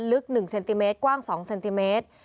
ลึก๑เซนติเมตรกว้าง๒เซนติเมตร